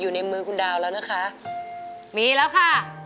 อยู่ในมือคุณด่าวแล้วมีเหล้าค่ะ